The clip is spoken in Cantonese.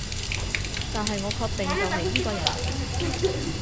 但係我確定就係依個人